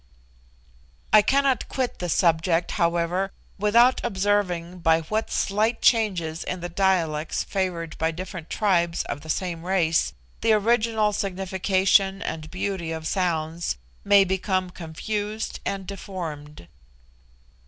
I cannot quit this subject, however, without observing by what slight changes in the dialects favoured by different tribes of the same race, the original signification and beauty of sounds may become confused and deformed.